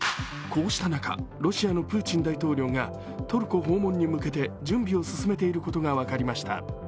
こうした中、ロシアのプーチン大統領がトルコ訪問に向けて準備を進めていることが分かりました。